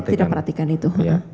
saya tidak perhatikan itu